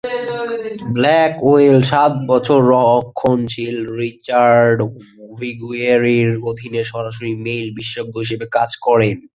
Blackwell সাত বছর রক্ষণশীল রিচার্ড ভিগুয়েরির অধীনে সরাসরি মেইল বিশেষজ্ঞ হিসেবে কাজ করেন।